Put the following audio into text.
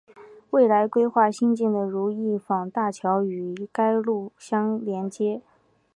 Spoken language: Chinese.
未来计划兴建的如意坊大桥与该路相连接。